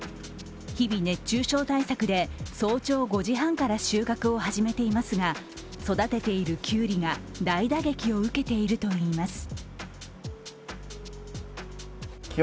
日々、熱中症対策で早朝５時半から収穫を始めていますが育てているきゅうりが大打撃を受けているといいます。